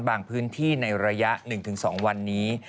พื้นที่ในระยะ๑๒วันนี้